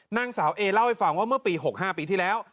นางสาวเอเล่าให้ฟังว่าเมื่อปี๖๕ปีที่แล้ว